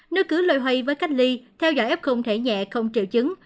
nếu cứ lôi hoay với cách ly theo dõi ép không thể nhẹ không triệu chứng